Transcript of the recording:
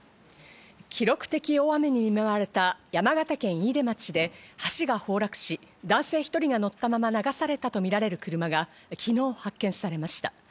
記録的大雨に見舞われた山形県飯豊町で橋が崩落し、男性１人が乗ったまま流されたとみられる車が昨日発見されました。